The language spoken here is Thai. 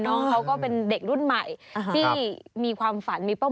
น้องเขาก็เป็นเด็กรุ่นใหม่ที่มีความฝันมีเป้า